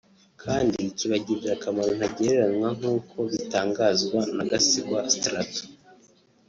kandi kibagirira akamaro ntagereranywa nk’uko bitangazwa na Gasigwa Straton